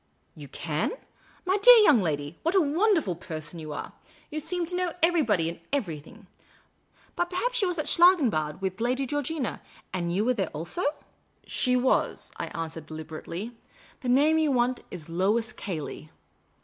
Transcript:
" You can ? My dear young lady, what a wonderful per son you are ! You seem to know everybody, and everything. But perhaps she was at Schlangenbad with Lady Georgina, and you were there also ?" The Urbane Old Gentleman 173 " She was," I answered, deliberately. " The name you want is — Lois Cayley